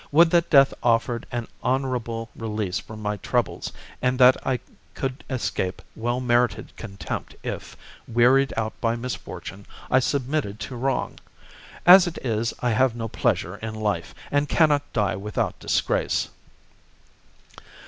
Would that death offered an honourable release from my troubles, and that I could escape well merited contempt if, wearied out by misfortune, I submitted to wrong. As it is, I have no pleasure in life, and cannot die without disgrace.